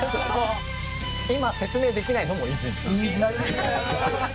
今、説明できないいずい。